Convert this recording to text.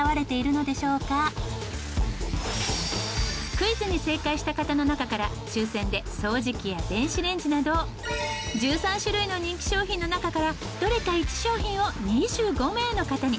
クイズに正解した方の中から抽選で掃除機や電子レンジなど１３種類の人気商品の中からどれか１商品を２５名の方に。